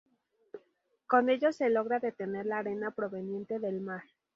Con ello se logra detener la arena proveniente del mar.